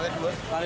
lantai berapa ini